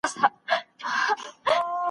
سجده د عاجزۍ تر ټولو لوړه نښه ده.